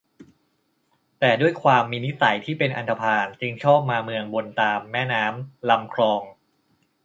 แต่ด้วยความมีนิสัยที่เป็นอันธพาล จึงชอบมาเมืองบนตามแม่น้ำลำคลอง